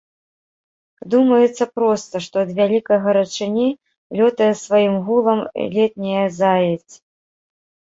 Думаецца проста, што ад вялікай гарачыні лётае з сваім гулам летняя заедзь.